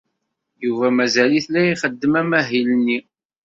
Yuba mazal-it la ixeddem amahil-nni.